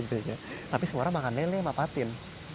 tapi semua orang makan lele mapatin